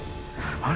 あれ？